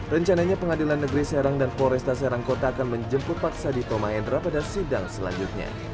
rencananya pengadilan negeri serang dan polresta serang kota akan menjemput paksa dito mahendra pada sidang selanjutnya